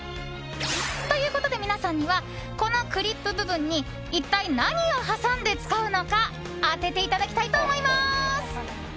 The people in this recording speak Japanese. ということで、皆さんにはこのクリップ部分に一体何を挟んで使うのか当てていただきたいと思います。